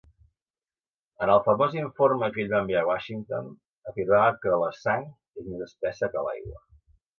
En el famós informe que ell va enviar a Washington, afirmava que la "sang és més espessa que l'aigua".